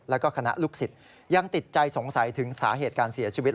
แล้วก็คณะลูกศิษย์ยังติดใจสงสัยถึงสาเหตุการเสียชีวิต